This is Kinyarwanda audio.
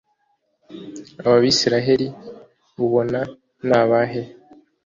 aba bisirayeli ubona nabahe